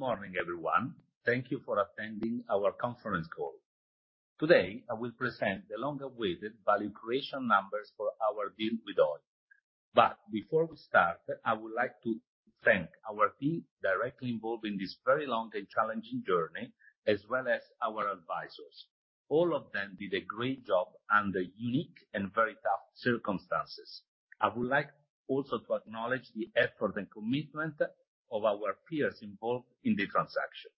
Good morning, everyone. Thank you for attending our conference call. Today, I will present the long-awaited value creation numbers for our deal with Oi. Before we start, I would like to thank our team directly involved in this very long and challenging journey, as well as our advisors. All of them did a great job under unique and very tough circumstances. I would like also to acknowledge the effort and commitment of our peers involved in the transaction.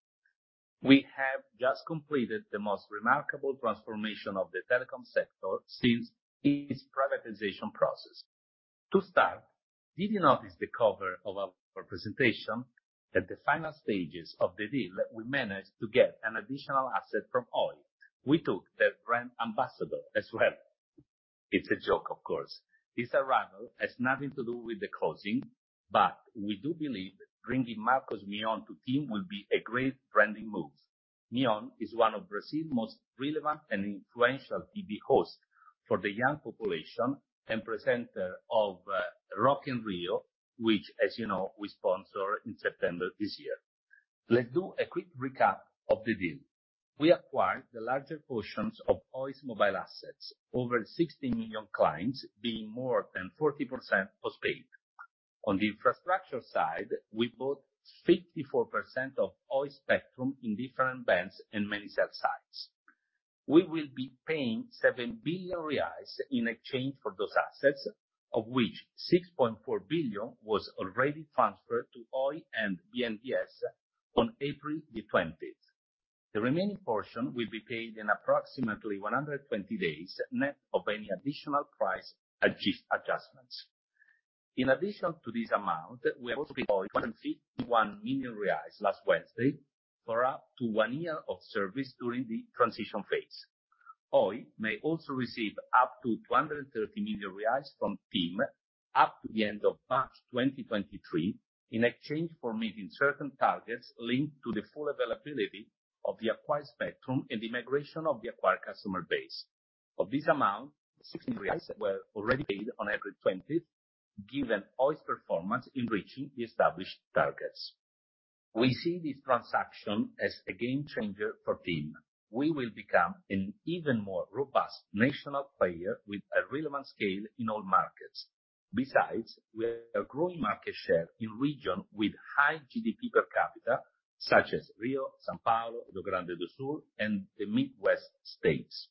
We have just completed the most remarkable transformation of the telecom sector since its privatization process. To start, did you notice the cover of our presentation? At the final stages of the deal, we managed to get an additional asset from Oi. We took their brand ambassador as well. It's a joke, of course. His arrival has nothing to do with the closing, but we do believe bringing Marcos Mion to TIM will be a great branding move. Mion is one of Brazil's most relevant and influential TV host for the young population and presenter of Rock in Rio, which, as you know, we sponsor in September this year. Let's do a quick recap of the deal. We acquired the larger portions of Oi's mobile assets. Over 60 million clients, being more than 40% postpaid. On the infrastructure side, we bought 54% of Oi's spectrum in different bands and many cell sites. We will be paying 7 billion reais in exchange for those assets, of which 6.4 billion was already transferred to Oi and BNDES on April 20. The remaining portion will be paid in approximately 120 days, net of any additional price adjustments. In addition to this amount, we also paid Oi 1.31 million reais last Wednesday for up to one year of service during the transition phase. Oi may also receive up to 230 million reais from TIM up to the end of March 2023 in exchange for meeting certain targets linked to the full availability of the acquired spectrum and the migration of the acquired customer base. Of this amount, 60 reais were already paid on April 20, given Oi's performance in reaching the established targets. We see this transaction as a game changer for TIM. We will become an even more robust national player with a relevant scale in all markets. Besides, we have a growing market share in regions with high GDP per capita, such as Rio, São Paulo, Rio Grande do Sul, and the Midwest states.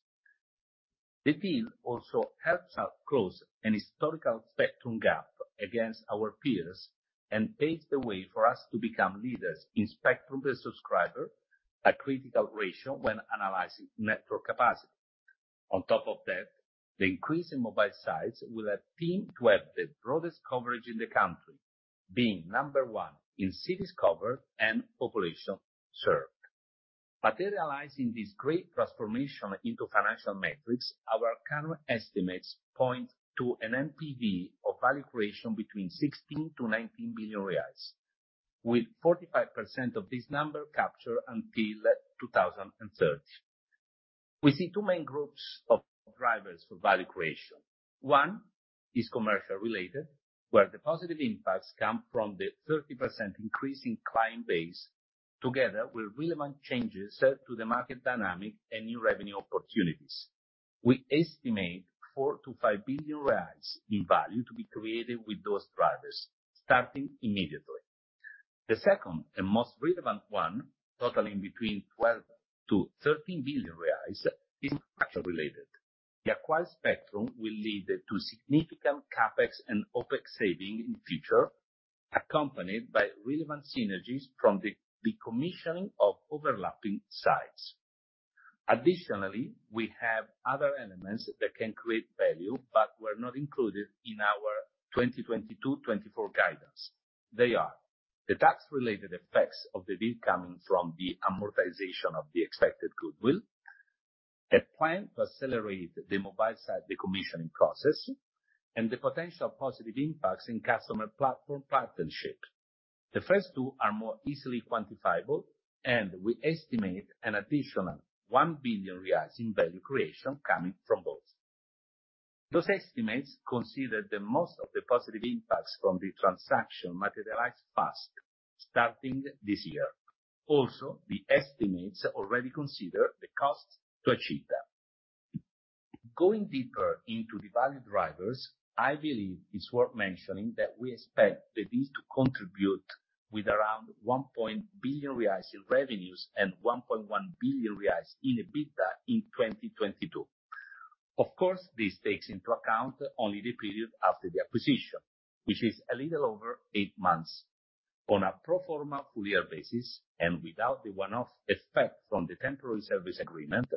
The deal also helps us close an historical spectrum gap against our peers and paves the way for us to become leaders in spectrum per subscriber, a critical ratio when analyzing network capacity. On top of that, the increase in mobile sites will help TIM to have the broadest coverage in the country, being number one in cities covered and population served. Materializing this great transformation into financial metrics, our current estimates point to an NPV of value creation between 16 billion-19 billion reais, with 45% of this number captured until 2030. We see two main groups of drivers for value creation. One is commercial related, where the positive impacts come from the 30% increase in client base together with relevant changes to the market dynamic and new revenue opportunities. We estimate 4 billion-5 billion reais in value to be created with those drivers, starting immediately. The second and most relevant one, totaling between 12 billion-13 billion reais, is structurally related. The acquired spectrum will lead to significant CapEx and OpEx savings in the future, accompanied by relevant synergies from the decommissioning of overlapping sites. Additionally, we have other elements that can create value but were not included in our 2022-2024 guidance. They are the tax-related effects of the deal coming from the amortization of the expected goodwill, a plan to accelerate the mobile site decommissioning process, and the potential positive impacts in customer platform partnership. The first two are more easily quantifiable, and we estimate an additional 1 billion reais in value creation coming from both. Those estimates consider that most of the positive impacts from the transaction materialize fast, starting this year. The estimates already consider the costs to achieve that. Going deeper into the value drivers, I believe it's worth mentioning that we expect the deal to contribute with around 1 billion reais in revenues and 1.1 billion reais in EBITDA in 2022. Of course, this takes into account only the period after the acquisition, which is a little over 8 months. On a pro forma full year basis, and without the one-off effect from the temporary service agreement,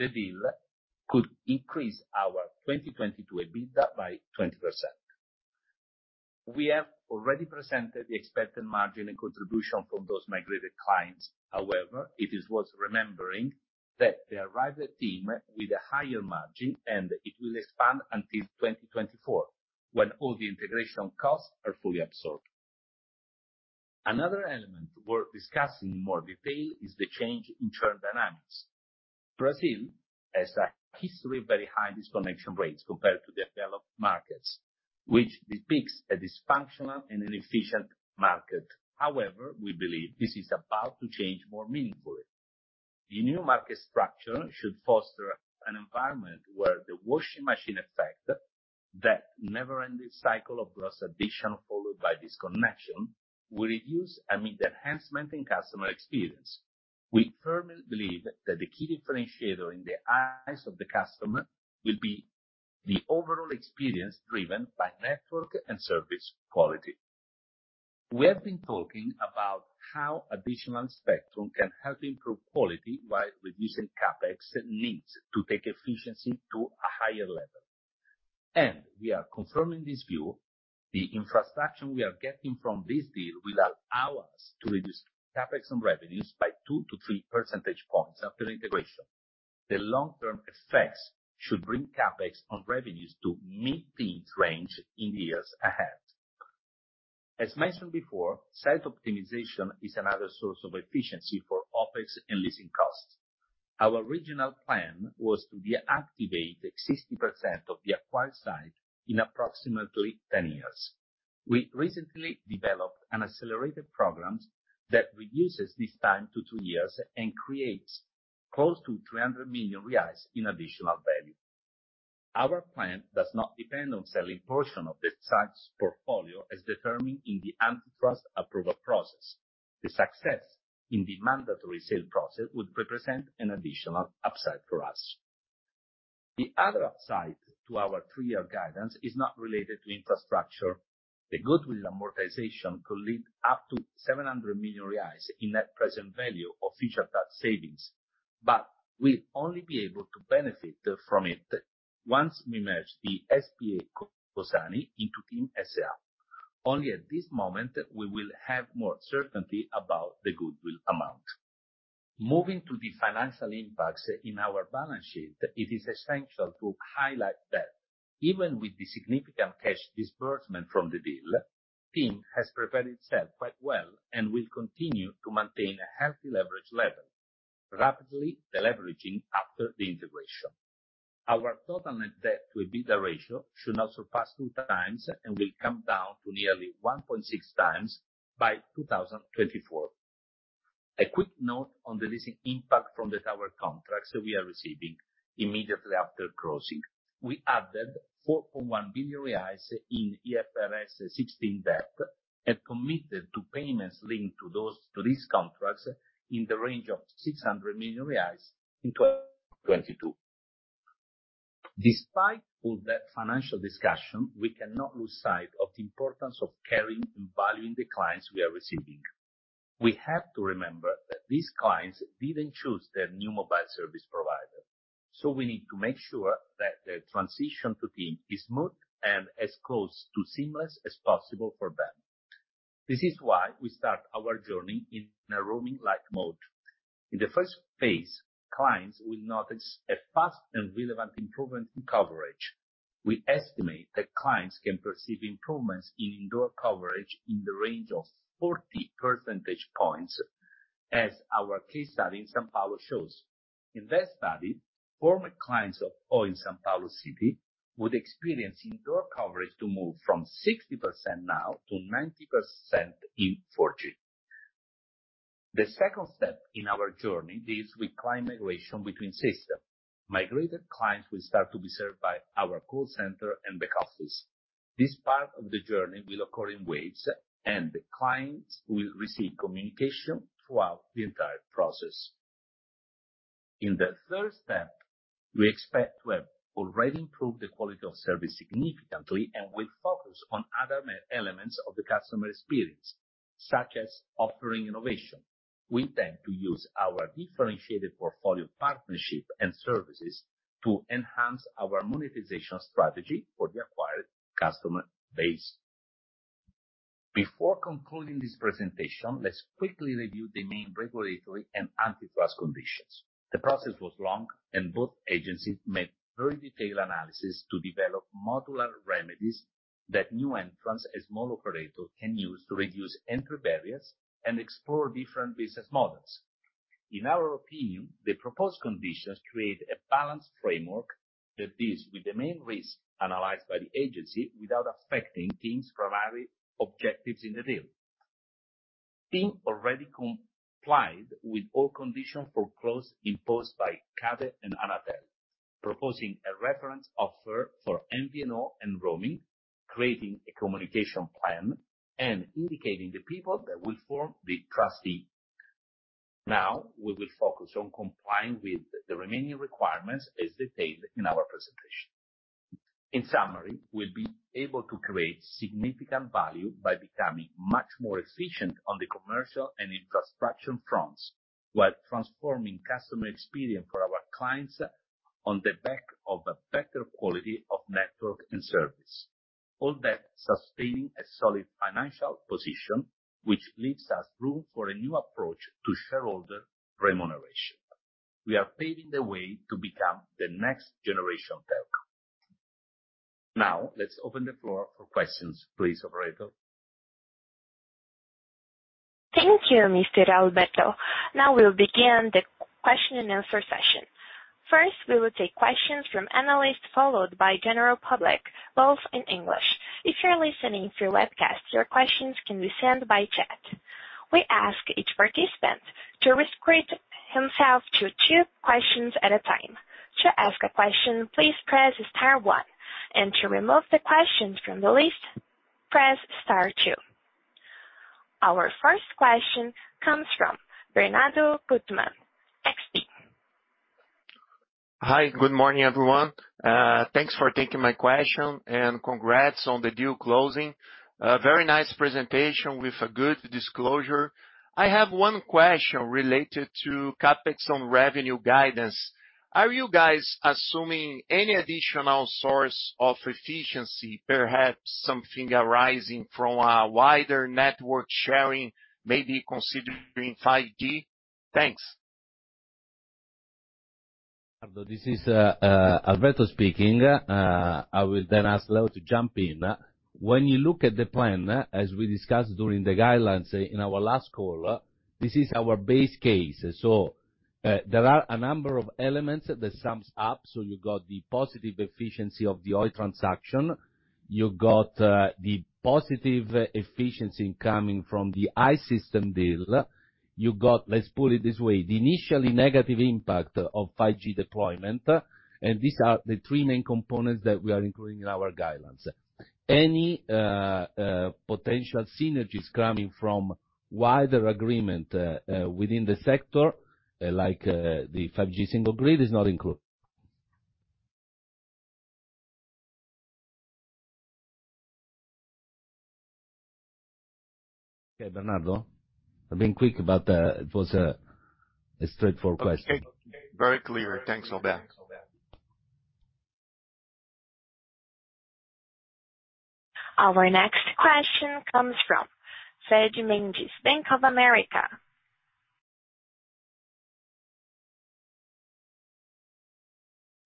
the deal could increase our 2022 EBITDA by 20%. We have already presented the expected margin and contribution from those migrated clients. However, it is worth remembering that they arrive at TIM with a higher margin, and it will expand until 2024, when all the integration costs are fully absorbed. Another element worth discussing in more detail is the change in churn dynamics. Brazil has a history of very high disconnection rates compared to the developed markets, which depicts a dysfunctional and inefficient market. However, we believe this is about to change more meaningfully. The new market structure should foster an environment where the washing machine effect, that never-ending cycle of gross addition followed by disconnection, will reduce amid the enhancement in customer experience. We firmly believe that the key differentiator in the eyes of the customer will be the overall experience driven by network and service quality. We have been talking about how additional spectrum can help improve quality while reducing CapEx needs to take efficiency to a higher level. We are confirming this view, the infrastructure we are getting from this deal will allow us to reduce CapEx on revenues by 2-3 percentage points after integration. The long-term effects should bring CapEx on revenues to mid-teens% range in the years ahead. Site optimization is another source of efficiency for OpEx and leasing costs. Our original plan was to deactivate 60% of the acquired sites in approximately 10 years. We recently developed an accelerated program that reduces this time to 2 years and creates close to 300 million reais in additional value. Our plan does not depend on selling portion of the sites portfolio as determined in the antitrust approval process. The success in the mandatory sale process would represent an additional upside for us. The other upside to our 3-year guidance is not related to infrastructure. The goodwill amortization could lead up to 700 million reais in net present value of future tax savings. We'll only be able to benefit from it once we merge the SPE Cozani into TIM S.A. Only at this moment we will have more certainty about the goodwill amount. Moving to the financial impacts in our balance sheet, it is essential to highlight that even with the significant cash disbursement from the deal, TIM has prepared itself quite well and will continue to maintain a healthy leverage level, rapidly deleveraging after the integration. Our total net debt to EBITDA ratio should not surpass 2x and will come down to nearly 1.6x by 2024. A quick note on the leasing impact from the tower contracts we are receiving immediately after closing. We added 4.1 billion reais in IFRS 16 debt and committed to payments linked to those lease contracts in the range of 600 million reais in 2022. Despite all that financial discussion, we cannot lose sight of the importance of caring and valuing the clients we are receiving. We have to remember that these clients didn't choose their new mobile service provider, so we need to make sure that their transition to TIM is smooth and as close to seamless as possible for them. This is why we start our journey in a roaming-like mode. In the first phase, clients will notice a fast and relevant improvement in coverage. We estimate that clients can perceive improvements in indoor coverage in the range of 40 percentage points, as our case study in São Paulo shows. In that study, former clients of Oi in São Paulo City would experience indoor coverage to move from 60% now to 90% in 4G. The second step in our journey deals with client migration between systems. Migrated clients will start to be served by our call center and back office. This part of the journey will occur in waves, and the clients will receive communication throughout the entire process. In the third step, we expect to have already improved the quality of service significantly and will focus on other elements of the customer experience, such as offering innovation. We intend to use our differentiated portfolio partnership and services to enhance our monetization strategy for the acquired customer base. Before concluding this presentation, let's quickly review the main regulatory and antitrust conditions. The process was long, and both agencies made very detailed analysis to develop modular remedies that new entrants and small operators can use to reduce entry barriers and explore different business models. In our opinion, the proposed conditions create a balanced framework that deals with the main risk analyzed by the agency without affecting TIM's primary objectives in the deal. TIM already complied with all conditions for close imposed by CADE and Anatel, proposing a reference offer for MVNO and roaming, creating a communication plan, and indicating the people that will form the trustee. Now, we will focus on complying with the remaining requirements as detailed in our presentation. In summary, we'll be able to create significant value by becoming much more efficient on the commercial and infrastructure fronts while transforming customer experience for our clients on the back of a better quality of network and service. All that sustaining a solid financial position, which leaves us room for a new approach to shareholder remuneration. We are paving the way to become the next generation telco. Now, let's open the floor for questions. Please, operator. Thank you, Mr. Alberto. Now we'll begin the question and answer session. First, we will take questions from analysts, followed by general public, both in English. If you're listening through webcasts, your questions can be sent by chat. We ask each participant to restrict himself to two questions at a time. To ask a question, please press star one. To remove the question from the list, press star two. Our first question comes from Bernardo Guttmann, XP. Hi, good morning, everyone. Thanks for taking my question, and congrats on the deal closing. A very nice presentation with a good disclosure. I have one question related to CapEx on revenue guidance. Are you guys assuming any additional source of efficiency, perhaps something arising from a wider network sharing may be considered in 5G? Thanks. This is Alberto speaking. I will then ask Leo to jump in. When you look at the plan, as we discussed during the guidelines in our last call, this is our base case. There are a number of elements that sums up. You got the positive efficiency of the Oi transaction, you got the positive efficiency coming from the I-Systems deal. You got, let's put it this way, the initially negative impact of 5G deployment, and these are the three main components that we are including in our guidelines. Any potential synergies coming from wider agreement within the sector, like the 5G single grid, is not included. Okay, Bernardo. I've been quick, but it was a straightforward question. Okay. Very clear. Thanks, Alberto. Our next question comes from Fred Mendes, Bank of America.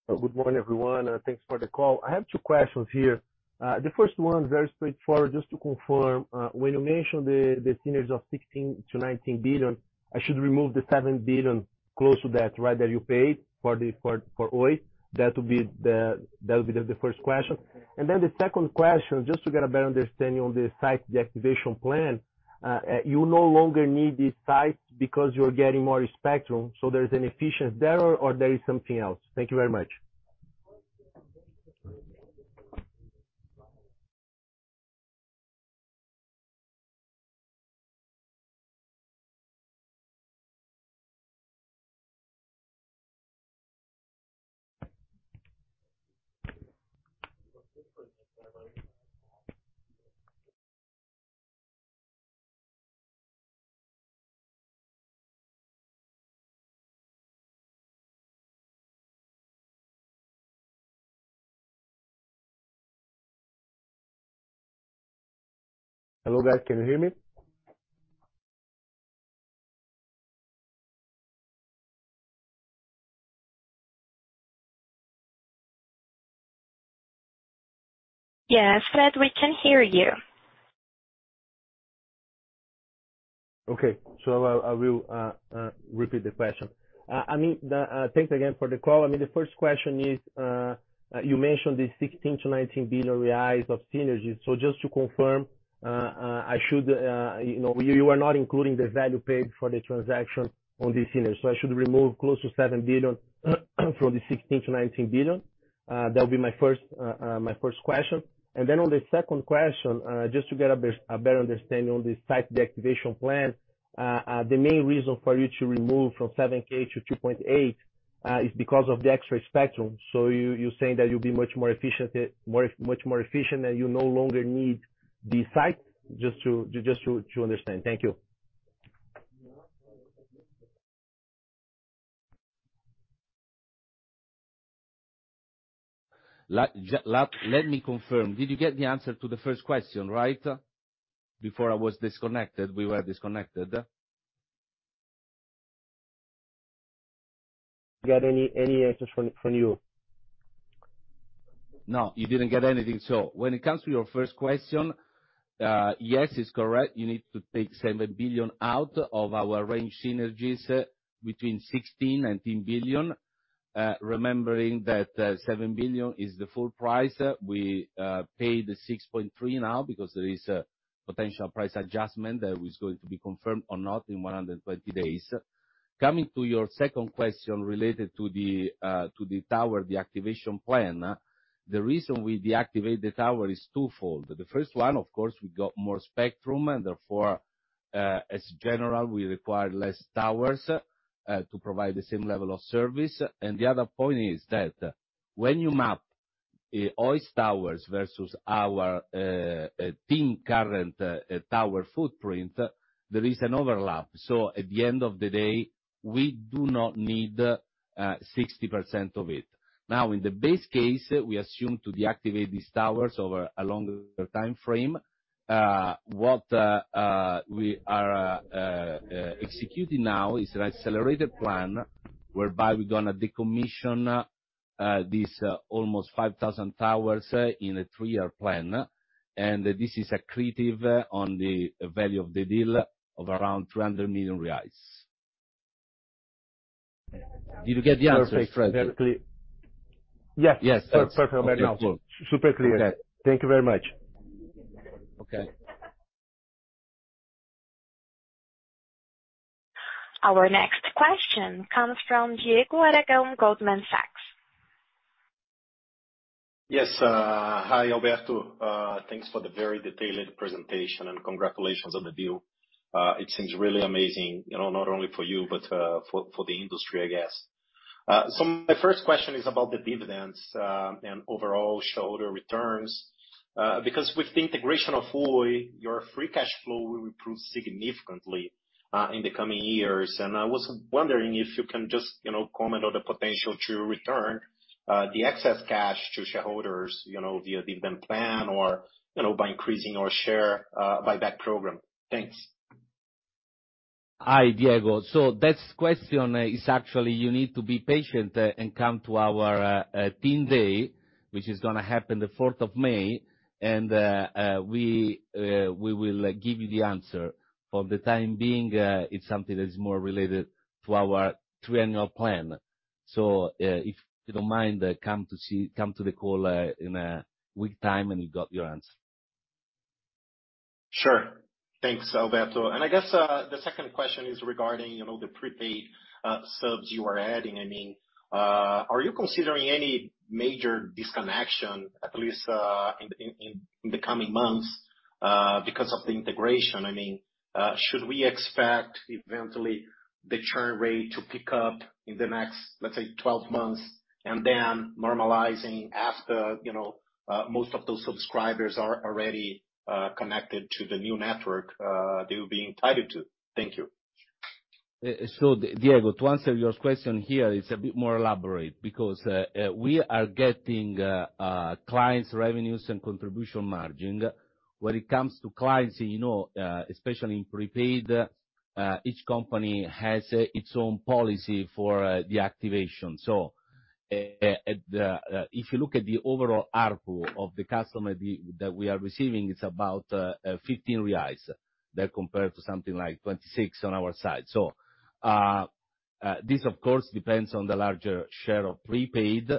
Good morning, everyone. Thanks for the call. I have two questions here. The first one, very straightforward, just to confirm, when you mentioned the synergies of 16 billion-19 billion, I should remove the 7 billion close to that, right, that you paid for Oi. That would be the first question. The second question, just to get a better understanding on the site deactivation plan. You no longer need these sites because you're getting more spectrum, so there's an efficiency there or there is something else? Thank you very much. Hello there. Can you hear me? Yes, Fred, we can hear you. I will repeat the question. I mean, thanks again for the call. I mean, the first question is, you mentioned the 16 billion-19 billion reais of synergies. Just to confirm, you are not including the value paid for the transaction on these synergies. I should remove close to 7 billion from the 16 billion-19 billion. That'll be my first question. Then on the second question, just to get a better understanding on the site deactivation plan. The main reason for you to remove from 7K to 2.8 is because of the extra spectrum. You're saying that you'll be much more efficient, and you no longer need the site? Just to understand. Thank you. Let me confirm. Did you get the answer to the first question, right? Before I was disconnected, we were disconnected. Got any answers from you. No, you didn't get anything. When it comes to your first question, yes, it's correct. You need to take 7 billion out of our range synergies between 16 billion-18 billion. Remembering that 7 billion is the full price. We paid 6.3 now because there is a potential price adjustment that is going to be confirmed or not in 120 days. Coming to your second question related to the tower deactivation plan. The reason we deactivate the tower is twofold. The first one, of course, we got more spectrum, and therefore, in general, we require less towers to provide the same level of service. The other point is that when you map Oi's towers versus our TIM current tower footprint, there is an overlap. At the end of the day, we do not need 60% of it. Now, in the base case, we assume to deactivate these towers over a longer timeframe. We are executing now is an accelerated plan whereby we're gonna decommission this almost 5,000 towers in a three-year plan, and this is accretive on the value of the deal of around 300 million reais. Did you get the answer? Perfect. Very clear. Yes. Yes. Perfect announcement. Okay, cool. Super clear. Okay. Thank you very much. Okay. Our next question comes from Diego Aragao, Goldman Sachs. Yes. Hi, Alberto. Thanks for the very detailed presentation and congratulations on the deal. It seems really amazing, you know, not only for you, but for the industry, I guess. My first question is about the dividends and overall shareholder returns. Because with the integration of Oi, your free cash flow will improve significantly in the coming years. I was wondering if you can just, you know, comment on the potential to return the excess cash to shareholders, you know, via dividend plan or, you know, by increasing our share buyback program. Thanks. Hi, Diego. That question is actually you need to be patient, and come to our TIM Day, which is gonna happen the fourth of May, and we will give you the answer. For the time being, it's something that is more related to our triennial plan. If you don't mind, come to the call in a week time, and you got your answer. Sure. Thanks, Alberto. I guess, the second question is regarding, you know, the prepaid subs you are adding. I mean, are you considering any major disconnection, at least, in the coming months, because of the integration? I mean, should we expect eventually the churn rate to pick up in the next, let's say, 12 months and then normalizing after, you know, most of those subscribers are already connected to the new network they will be entitled to? Thank you. Diego, to answer your question here, it's a bit more elaborate because we are getting clients revenues and contribution margin. When it comes to clients, you know, especially in prepaid, each company has its own policy for the activation. If you look at the overall ARPU of the customer base that we are receiving, it's about 15 reais that's compared to something like 26 on our side. This of course depends on the larger share of prepaid,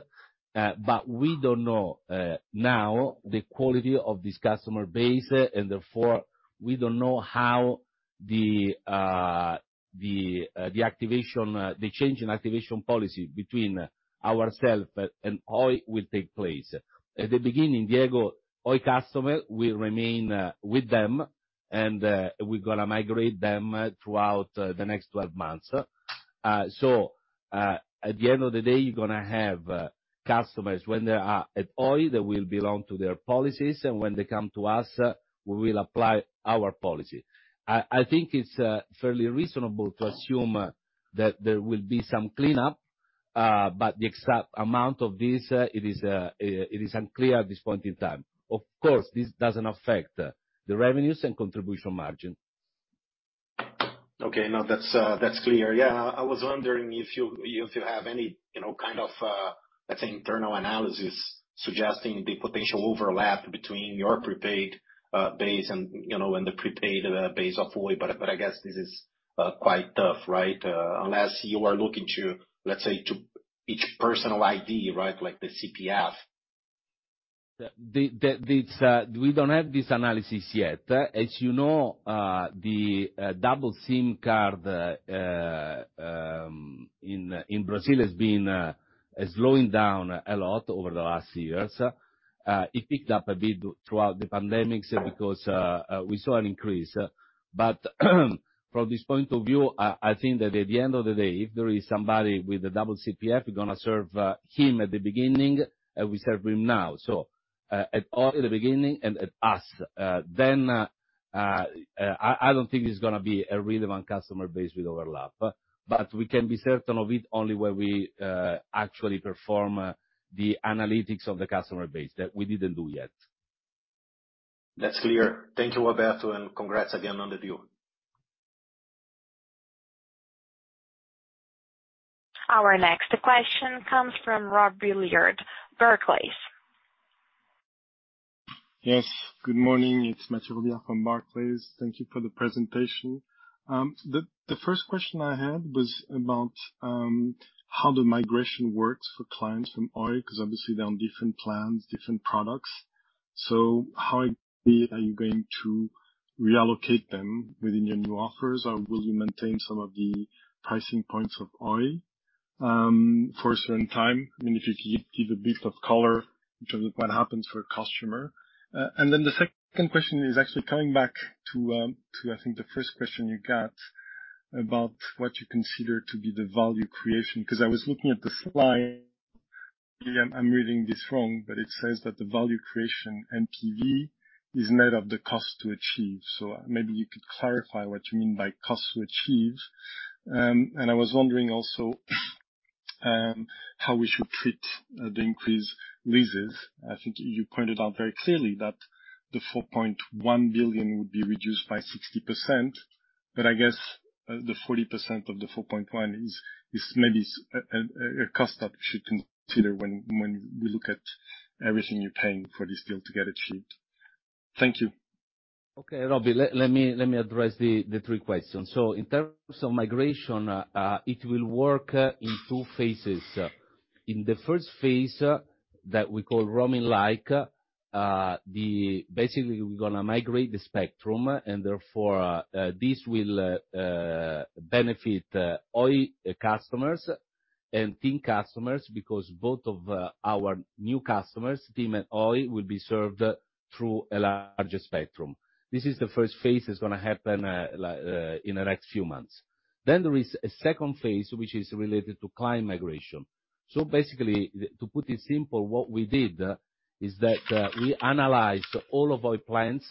but we don't know now the quality of this customer base, and therefore, we don't know how the change in activation policy between ourselves and Oi will take place. At the beginning, Diego, Oi customer will remain with them, and we're gonna migrate them throughout the next 12 months. At the end of the day, you're gonna have customers when they are at Oi, they will belong to their policies, and when they come to us, we will apply our policy. I think it's fairly reasonable to assume that there will be some cleanup, but the exact amount of this, it is unclear at this point in time. Of course, this doesn't affect the revenues and contribution margin. Okay. No, that's clear. Yeah. I was wondering if you have any, you know, kind of, let's say, internal analysis suggesting the potential overlap between your prepaid base and, you know, the prepaid base of Oi, but I guess this is quite tough, right? Unless you are looking to, let's say, each personal ID, right, like the CPF. We don't have this analysis yet. As you know, the double SIM card in Brazil has been slowing down a lot over the last years. It picked up a bit throughout the pandemic because we saw an increase. From this point of view, I think that at the end of the day, if there is somebody with a double CPF, we're gonna serve him at the beginning, and we serve him now. All in the beginning and at Oi then, I don't think there's gonna be a relevant customer base with overlap. We can be certain of it only when we actually perform the analytics of the customer base that we didn't do yet. That's clear. Thank you, Alberto, and congrats again on the deal. Our next question comes from Mathieu Robilliard, Barclays. Yes. Good morning. It's Mathieu Robilliard from Barclays. Thank you for the presentation. The first question I had was about how the migration works for clients from Oi, 'cause obviously they're on different plans, different products. So how exactly are you going to reallocate them within your new offers, or will you maintain some of the pricing points of Oi for a certain time? I mean, if you could give a bit of color in terms of what happens for a customer. And then the second question is actually coming back to I think the first question you got about what you consider to be the value creation. 'Cause I was looking at the slide. Maybe I'm reading this wrong, but it says that the value creation NPV is made of the cost to achieve. Maybe you could clarify what you mean by cost to achieve. I was wondering also how we should treat the increased leases. I think you pointed out very clearly that the 4.1 billion would be reduced by 60%, but I guess the 40% of the 4.1 billion is maybe a cost that we should consider when we look at everything you're paying for this deal to get it achieved. Thank you. Okay, Mathieu, let me address the three questions. In terms of migration, it will work in two phases. In the first phase, that we call roaming like. Basically, we're gonna migrate the spectrum, and therefore, this will benefit Oi customers and TIM customers because both of our new customers, TIM and Oi, will be served through a larger spectrum. This is the first phase, it's gonna happen like in the next few months. There is a second phase, which is related to client migration. Basically, to put it simple, what we did is that we analyzed all of our plans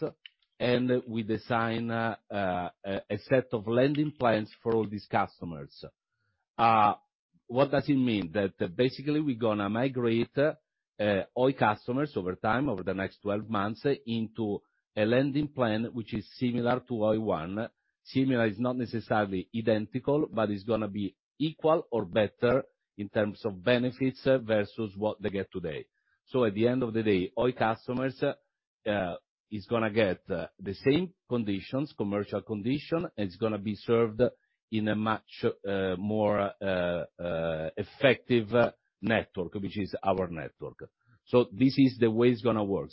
and we design a set of landing plans for all these customers. What does it mean? That basically, we're gonna migrate Oi customers over time, over the next 12 months into a landing plan which is similar to Oi One. Similar is not necessarily identical, but it's gonna be equal or better in terms of benefits versus what they get today. At the end of the day, Oi customers is gonna get the same conditions, commercial condition, and it's gonna be served in a much more effective network, which is our network. This is the way it's gonna work.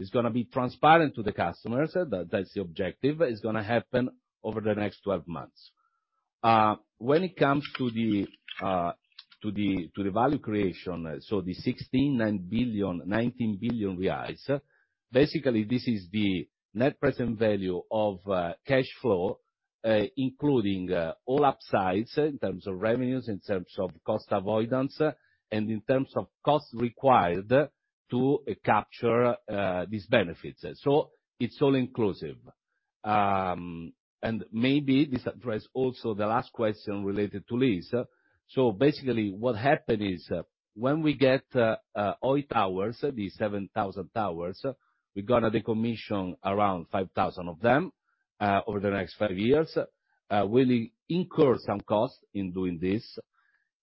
It's gonna be transparent to the customers, that's the objective. It's gonna happen over the next 12 months. When it comes to the value creation, 16 billion-19 billion reais, basically, this is the net present value of cash flow, including all upsides in terms of revenues, in terms of cost avoidance, and in terms of costs required to capture these benefits. It's all-inclusive. Maybe this addresses also the last question related to lease. Basically, what happened is when we get Oi towers, the 7,000 towers, we're gonna decommission around 5,000 of them over the next five years. We'll incur some cost in doing this,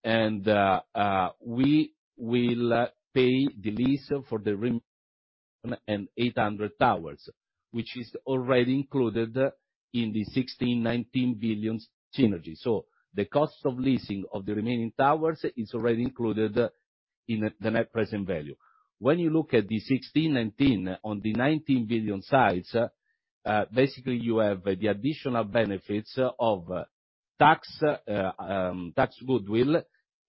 and we will pay the lease for the remaining 800 towers, which is already included in the 16-19 billion synergy. The cost of leasing of the remaining towers is already included in the net present value. When you look at the 16-19 on the 19 billion sites, basically you have the additional benefits of tax goodwill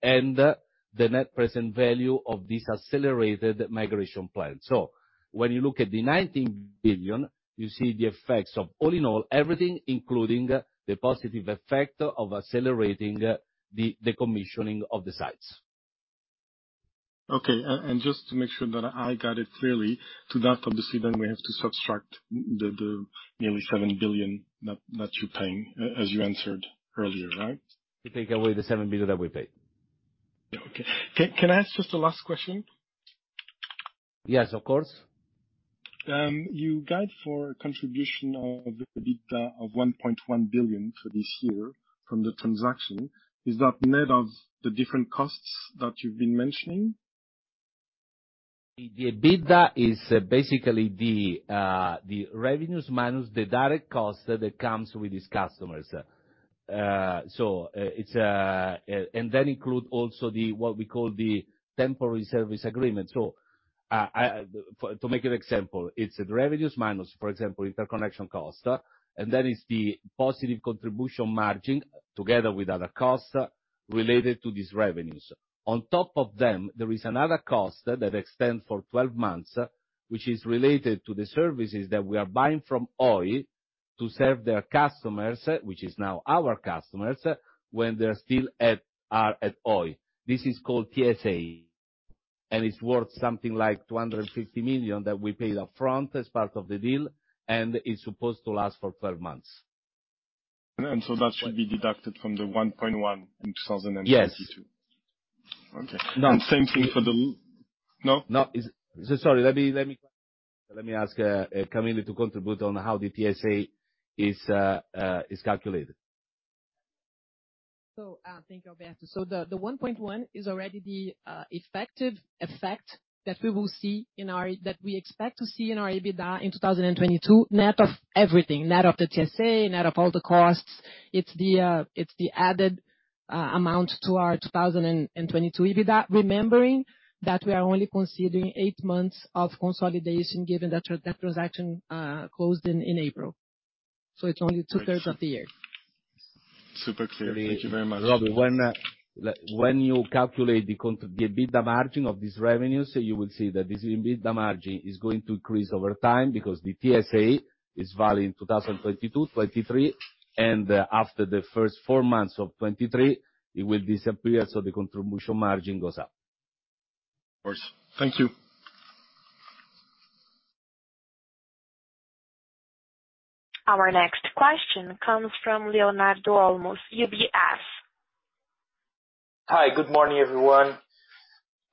and the net present value of this accelerated migration plan. When you look at the 19 billion, you see the effects of all in all everything, including the positive effect of accelerating the decommissioning of the sites. Okay. Just to make sure that I got it clearly, to that obviously then we have to subtract the nearly 7 billion net you're paying, as you answered earlier, right? You take away the 7 billion that we paid. Okay. Can I ask just a last question? Yes, of course. You guide for contribution of EBITDA of 1.1 billion for this year from the transaction. Is that net of the different costs that you've been mentioning? The EBITDA is basically the revenues minus the direct cost that comes with these customers, include also what we call the temporary service agreement. To make an example, it's revenues minus, for example, interconnection cost, and that is the positive contribution margin together with other costs related to these revenues. On top of them, there is another cost that extends for 12 months, which is related to the services that we are buying from Oi to serve their customers, which is now our customers, when they're still at Oi. This is called TSA, and it's worth something like 250 million that we paid up front as part of the deal, and it's supposed to last for 12 months. That should be deducted from the 1.1 in 2022. Yes. Okay. No. Same thing for the. No? No. Sorry, let me ask Camille to contribute on how the TSA is calculated. Thank you, Alberto. The 1.1 is already the effective effect that we expect to see in our EBITDA in 2022, net of everything, net of the TSA, net of all the costs. It's the added amount to our 2022 EBITDA. Remembering that we are only considering eight months of consolidation, given that transaction closed in April. It's only two-thirds of the year. Super clear. Thank you very much. Robbie, when you calculate the EBITDA margin of this revenue, you will see that this EBITDA margin is going to increase over time because the TSA is valid in 2022, 2023, and after the first four months of 2023, it will disappear, so the contribution margin goes up. Of course. Thank you. Our next question comes from Leonardo Olmos, UBS. Hi, good morning, everyone.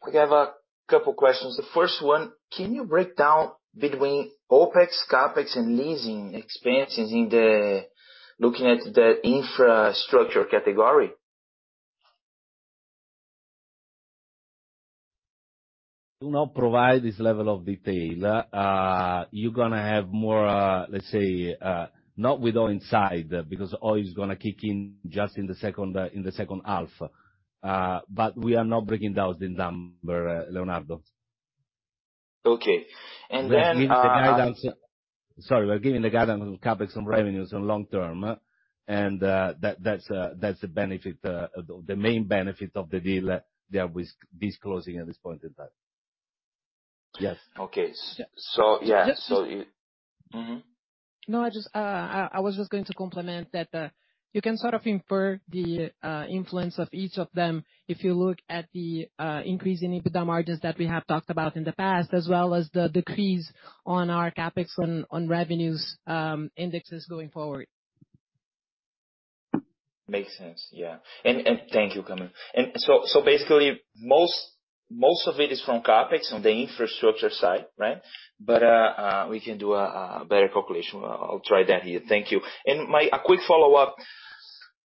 We have a couple questions. The first one, can you break down between OpEx, CapEx and leasing expenses looking at the infrastructure category? Do not provide this level of detail. You're gonna have more, let's say, not with Oi inside, because Oi is gonna kick in just in the second half. We are not breaking down the number, Leonardo. Okay. We're giving the guidance on CapEx and revenues on long term and that's the benefit, the main benefit of the deal that we're disclosing at this point in time. Yes. Okay. Yeah. Yeah. Just so you- Mm-hmm. No, I just, I was just going to complement that, you can sort of infer the influence of each of them if you look at the increase in EBITDA margins that we have talked about in the past, as well as the decrease on our CapEx on revenues indexes going forward. Makes sense, yeah. Thank you, Camille. Basically, most of it is from CapEx on the infrastructure side, right? But we can do a better calculation. I'll try that here. Thank you. A quick follow-up.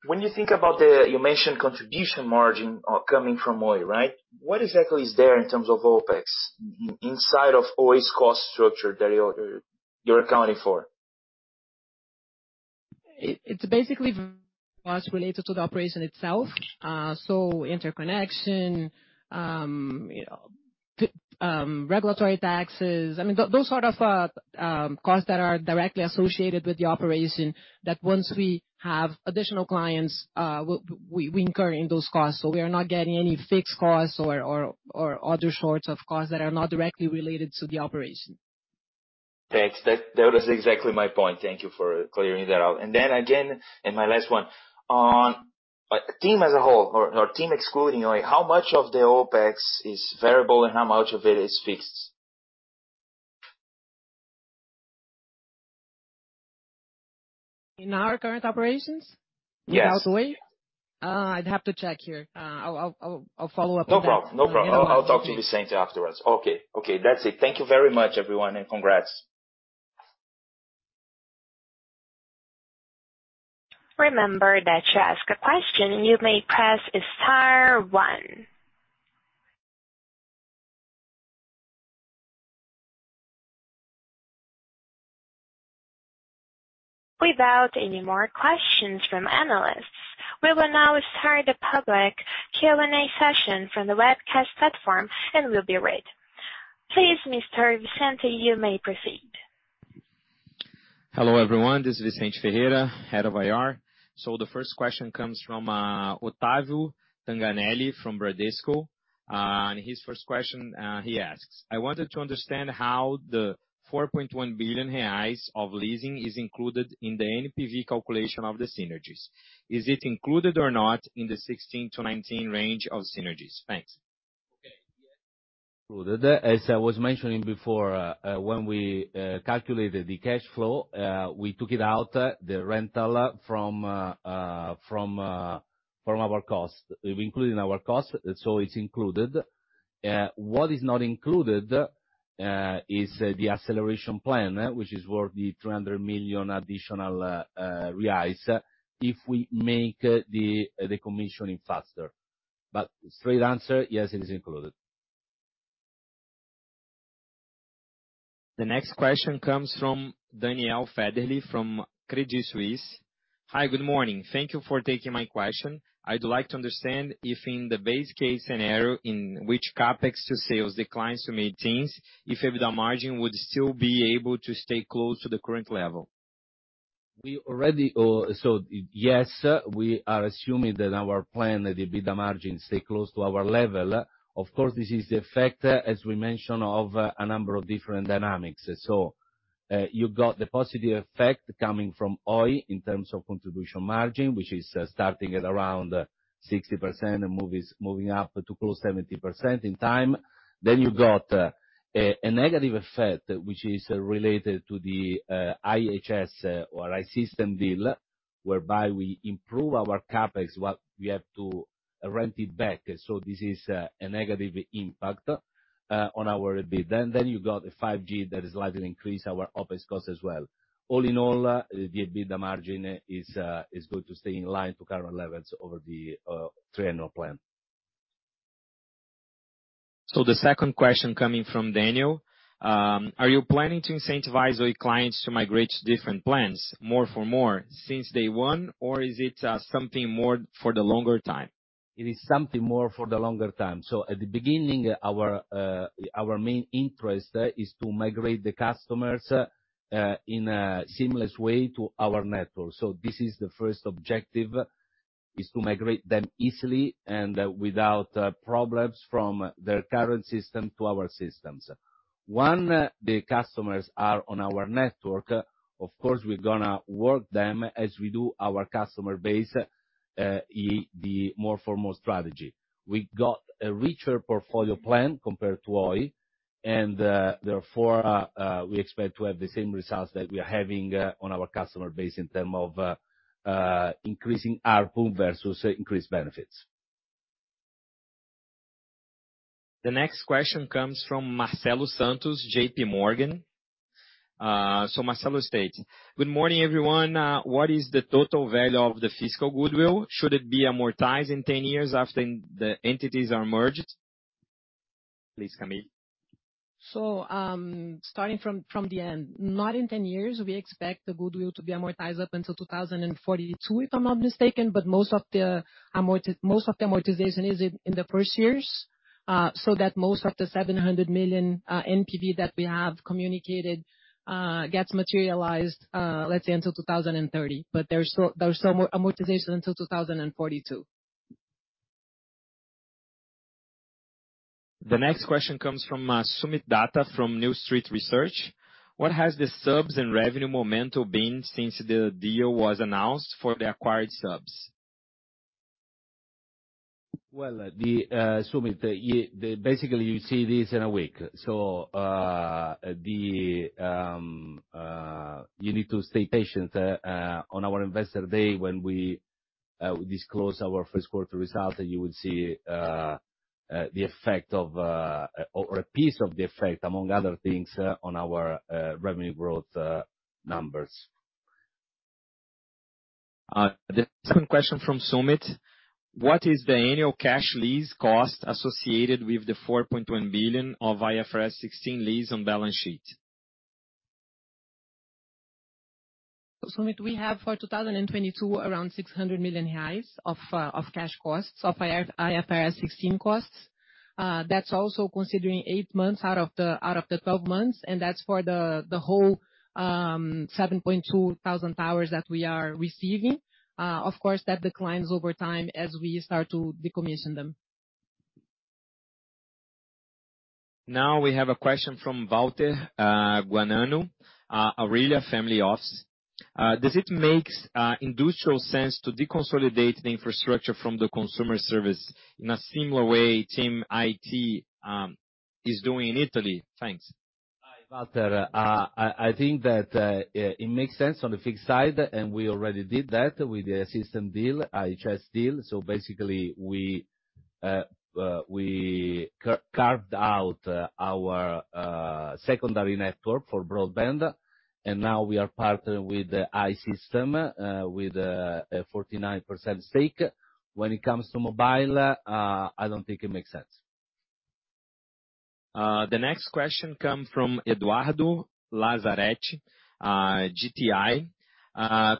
When you think about the contribution margin you mentioned coming from Oi, right? What exactly is there in terms of OpEx inside of Oi's cost structure that you're accounting for? It's basically costs related to the operation itself, so interconnection, you know, regulatory taxes. I mean, those sort of costs that are directly associated with the operation, that once we have additional clients, we incur in those costs. We are not getting any fixed costs or other sorts of costs that are not directly related to the operation. Thanks. That was exactly my point. Thank you for clearing that out. Then again, my last one. On TIM as a whole or TIM excluding Oi, how much of the OpEx is variable and how much of it is fixed? In our current operations? Yes. Without Oi? I'd have to check here. I'll follow up on that. No problem. No problem. In general. I'll talk to Vicente afterwards. Okay. Okay, that's it. Thank you very much everyone, and congrats. Remember that to ask a question you may press star one. Without any more questions from analysts, we will now start the public Q&A session from the webcast platform. Please, Mr. Vicente, you may proceed. Hello everyone, this is Vicente Ferreira, Head of IR. The first question comes from Otavio Tanganelli from Bradesco. His first question, he asks: I wanted to understand how the 4.1 billion reais of leasing is included in the NPV calculation of the synergies. Is it included or not in the 16-19 range of synergies? Thanks. Okay. As I was mentioning before, when we calculated the cash flow, we took out the rental from our cost. We include it in our cost, so it's included. What is not included is the acceleration plan, which is worth 300 million reais additional, if we make the commissioning faster. Straight answer, yes, it is included. The next question comes from Daniel Federle from Credit Suisse. Hi, good morning. Thank you for taking my question. I'd like to understand if in the base case scenario in which CapEx to sales declines to mid-teens, if EBITDA margin would still be able to stay close to the current level? Yes, we are assuming that our plan, the EBITDA margin stay close to our level. Of course, this is the effect, as we mentioned, of a number of different dynamics. You got the positive effect coming from Oi in terms of contribution margin, which is starting at around 60% and moving up to close to 70% over time. You got a negative effect which is related to the IHS or I-Systems deal, whereby we improve our CapEx, but we have to rent it back. This is a negative impact on our EBITDA. You got the 5G that is likely to increase our OpEx cost as well. All in all, the EBITDA margin is going to stay in line with current levels over the three-year plan. The second question coming from Daniel. Are you planning to incentivize your clients to migrate to different plans, more for more, since day one? Or is it something more for the longer time? It is something more for the long term. At the beginning, our main interest is to migrate the customers in a seamless way to our network. This is the first objective, to migrate them easily and without problems from their current system to our systems. Once the customers are on our network, of course, we're gonna work them as we do our customer base, the more for more strategy. We got a richer portfolio plan compared to Oi, and therefore, we expect to have the same results that we are having on our customer base in terms of increasing ARPU versus increased benefits. The next question comes from Marcelo Santos, J.P. Morgan. Marcelo, state. Good morning, everyone. What is the total value of the fiscal goodwill? Should it be amortized in 10 years after the entities are merged? Please, Camille. Starting from the end. Not in ten years. We expect the goodwill to be amortized up until 2042, if I'm not mistaken. Most of the amortization is in the first years. Most of the 700 million NPV that we have communicated gets materialized, let's say until 2030. There's still more amortization until 2042. The next question comes from Soomit Datta from New Street Research. What has the subs and revenue momentum been since the deal was announced for the acquired subs? Well, Soomit, yeah, basically you see this in a week. You need to stay patient. On our investor day when we disclose our first quarter results, you will see the effect of or a piece of the effect, among other things, on our revenue growth numbers. The second question from Soomit: What is the annual cash lease cost associated with the 4.1 billion of IFRS 16 lease on balance sheet? Sumit, we have for 2022, around 600 million reais of cash costs, of IFRS 16 costs. That's also considering eight months out of the 12 months, and that's for the whole 7,200 towers that we are receiving. Of course, that declines over time as we start to decommission them. Now we have a question from Valter Guananu, Aurelia Family Office. Does it makes industrial sense to deconsolidate the infrastructure from the consumer service in a similar way TIM Italy is doing in Italy? Thanks. Hi, Valter. I think that it makes sense on the fixed side, and we already did that with the I-Systems deal, IHS deal. Basically we carved out our secondary network for broadband, and now we are partnering with the I-Systems with a 49% stake. When it comes to mobile, I don't think it makes sense. The next question come from Eduardo Lazzaretti, GTI.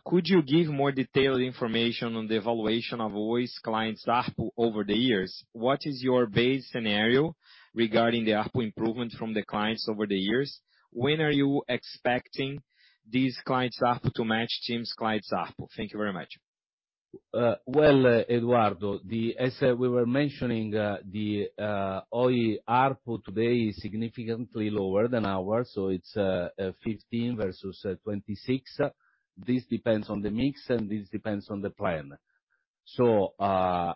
Could you give more detailed information on the evaluation of Oi's clients ARPU over the years? What is your base scenario regarding the ARPU improvement from the clients over the years? When are you expecting these clients ARPU to match TIM's clients ARPU? Thank you very much. Eduardo, as we were mentioning, the Oi ARPU today is significantly lower than ours, so it's 15 versus 26. This depends on the mix, and this depends on the plan.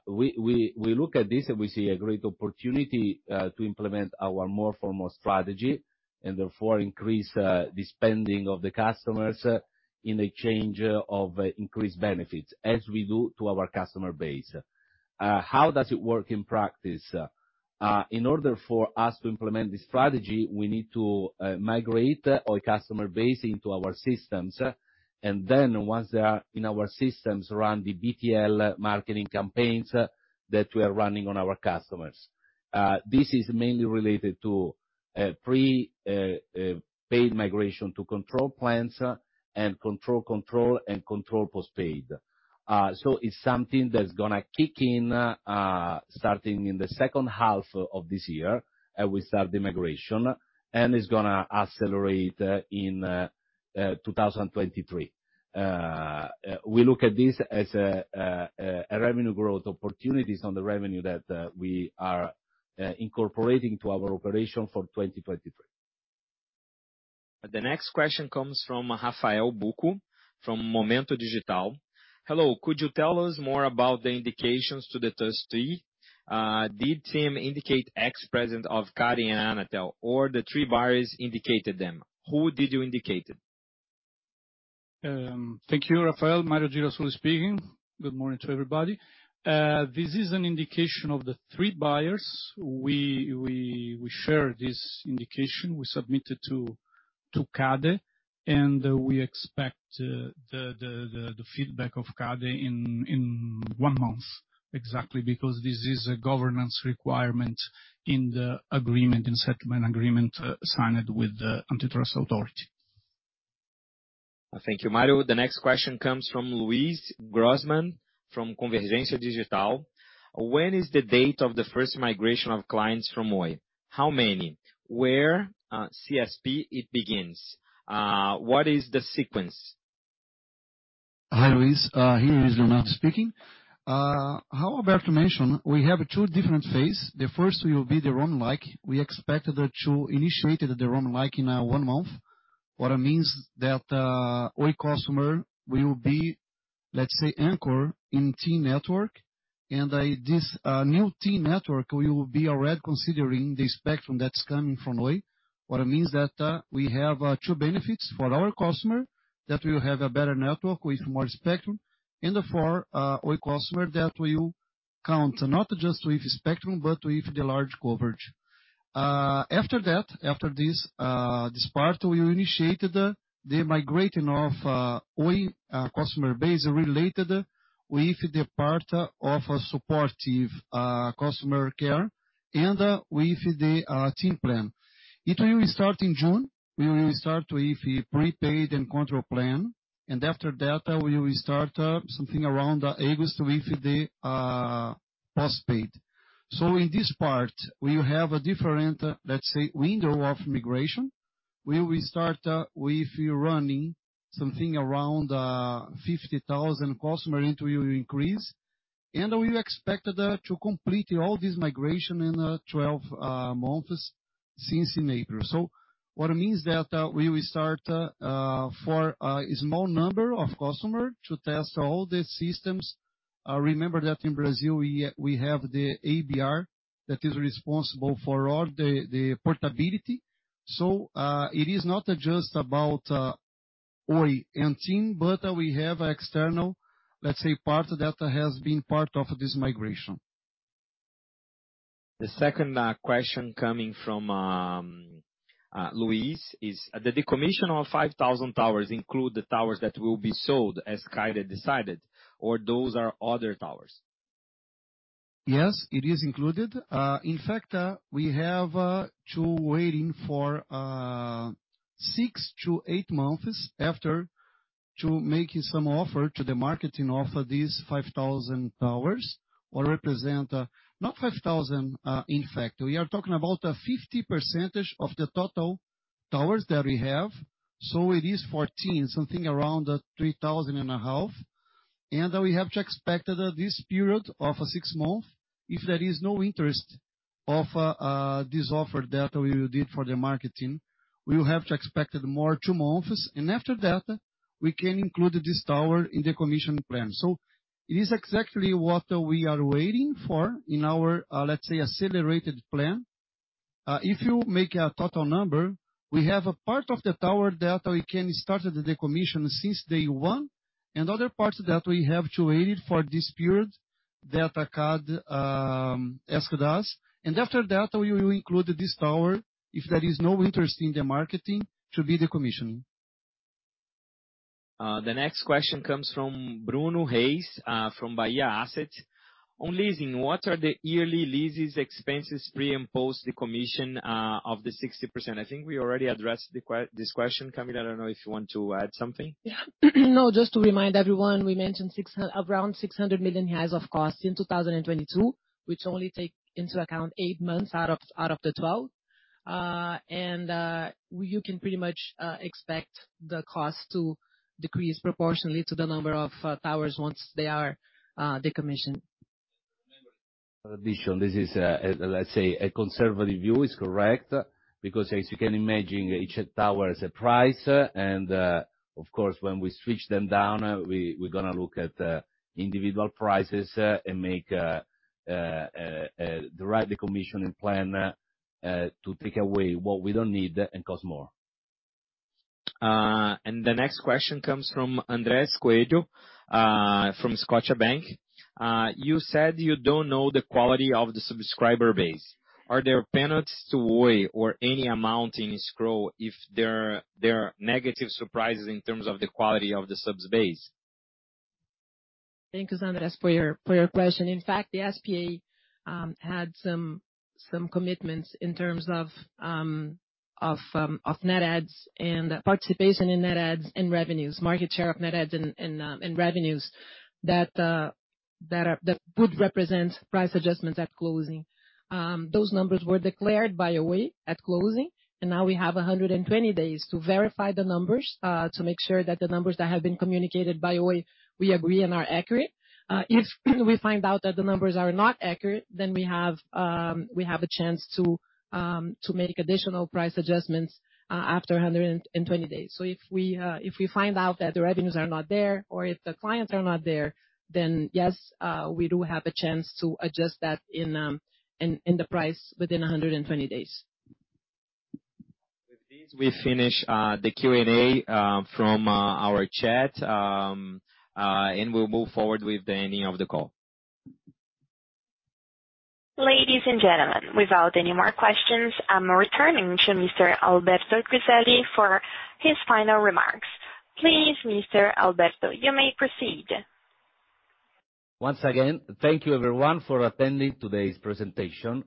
We look at this and we see a great opportunity to implement our more for more strategy, and therefore increase the spending of the customers in exchange for increased benefits as we do to our customer base. How does it work in practice? In order for us to implement this strategy, we need to migrate our customer base into our systems. Then once they are in our systems, run the BTL marketing campaigns that we are running on our customers. This is mainly related to prepaid migration to control plans and control and control postpaid. It's something that's gonna kick in starting in the second half of this year as we start the migration, and it's gonna accelerate in 2023. We look at this as a revenue growth opportunities on the revenue that we are incorporating to our operation for 2023. The next question comes from Rafael Bucco from Momento Digital. Hello, could you tell us more about the indications to the trustee? Did TIM indicate ex-president of CADE and Anatel or the three buyers indicated them? Who did you indicate? Thank you, Rafael. Mario Girasole speaking. Good morning to everybody. This is an indication of the three buyers. We share this indication we submitted to CADE, and we expect the feedback of CADE in one month exactly, because this is a governance requirement in the agreement and settlement agreement signed with the antitrust authority. Thank you, Mario. The next question comes from Luís Grossmann from Convergência Digital. When is the date of the first migration of clients from Oi? How many? Where CSP it begins? What is the sequence? Hi, Luís. Here is Leonardo speaking. How Alberto mentioned, we have two different phase. The first will be the roaming. We expect to initiate the roaming in one month. What it means that, Oi customer will be, let's say, anchor in TIM network. This new TIM network will be already considering the spectrum that's coming from Oi. What it means that, we have two benefits for our customer, that we will have a better network with more spectrum and for Oi customer that will count not just with spectrum, but with the large coverage. After that, after this part, we initiated the migrating of Oi customer base related with the part of supportive customer care and with the TIM plan. It will start in June. We will start with a prepaid and control plan, and after that, we will start something around August with the postpaid. In this part, we have a different, let's say, window of migration, where we start with running something around 50,000 customer into increase, and we expected to complete all this migration in 12 months since in April. What it means that we will start for a small number of customer to test all the systems. Remember that in Brazil we have the ABR that is responsible for all the portability. It is not just about Oi and TIM, but we have external, let's say, part that has been part of this migration. The second question coming from Luis is, did the acquisition of 5,000 towers include the towers that will be sold as guided or decided, or those are other towers? Yes, it is included. In fact, we have to waiting for six to eight months after to making some offer to the marketing offer these 5,000 towers, or represent, not 5,000, in fact. We are talking about a 50% of the total towers that we have. It is 14, something around, 3,500. We have to expected this period of 6 months. If there is no interest of this offer that we did for the marketing, we will have to expected more two months. After that, we can include this tower in the commission plan. It is exactly what we are waiting for in our, let's say, accelerated plan. If you make a total number, we have a part of the tower that we can start the decommissioning since day one and other parts that we have to wait for this period that CADE asked us. After that, we will include this tower, if there is no interest in the market, to be decommissioned. The next question comes from Bruno Haes from Bahia Asset. On leasing, what are the yearly lease expenses pre and post decommission of the 60%? I think we already addressed this question. Camille, I don't know if you want to add something. No, just to remind everyone, we mentioned around 600 million reais of cost in 2022, which only take into account eight months out of the 12. You can pretty much expect the cost to decrease proportionally to the number of towers once they are decommissioned. Additionally, this is, let's say, a conservative view. It's correct. Because as you can imagine, each tower has a price. Of course, when we switch them down, we're gonna look at individual prices and make the right decommissioning plan to take away what we don't need and cost more. The next question comes from Andres Coello, from Scotiabank. You said you don't know the quality of the subscriber base. Are there penalties to Oi or any amount in escrow if there are negative surprises in terms of the quality of the subs' base? Thank you, Andres, for your question. In fact, the SPA had some commitments in terms of net adds and participation in net adds and revenues, market share of net adds and revenues that would represent price adjustments at closing. Those numbers were declared by Oi at closing, and now we have 120 days to verify the numbers to make sure that the numbers that have been communicated by Oi we agree and are accurate. If we find out that the numbers are not accurate, then we have a chance to make additional price adjustments after 120 days. If we find out that the revenues are not there or if the clients are not there, then yes, we do have a chance to adjust that in the price within 120 days. With this, we finish the Q&A from our chat, and we'll move forward with the ending of the call. Ladies and gentlemen, without any more questions, I'm returning to Mr. Alberto Griselli for his final remarks. Please, Mr. Alberto, you may proceed. Once again, thank you everyone for attending today's presentation.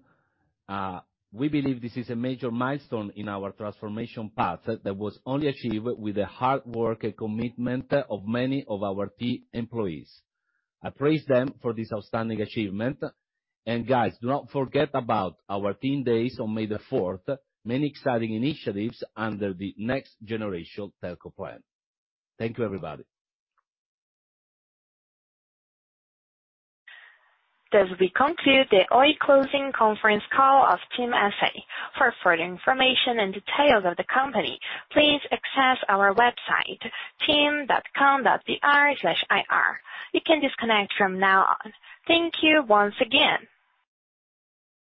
We believe this is a major milestone in our transformation path that was only achieved with the hard work and commitment of many of our team employees. I praise them for this outstanding achievement. Guys, do not forget about our TIM Days on May the fourth, many exciting initiatives under the next generation telco plan. Thank you, everybody. Thus, we conclude the Oi closing conference call of TIM S.A. For further information and details of the company, please access our website, tim.com.br/ir. You can disconnect from now on. Thank you once again.